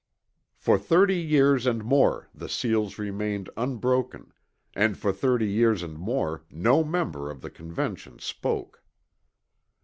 For thirty years and more the seals remained unbroken; and for thirty years and more no member of the Convention spoke.